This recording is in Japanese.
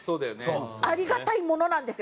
ありがたいものなんですよ。